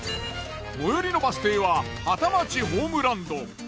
最寄りのバス停は畑町ホームランド。